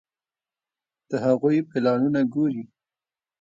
د هغوی پلانونه ګوري.